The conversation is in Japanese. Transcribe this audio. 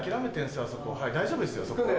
大丈夫ですよそこは。